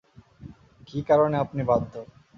কি কারণে আপনি বাধ্য?